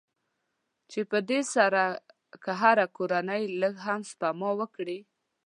چې په دې سره که هره کورنۍ لږ هم سپما وکړي.